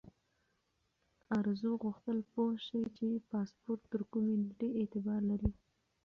ارزو غوښتل پوه شي چې پاسپورت تر کومې نیټې اعتبار لري.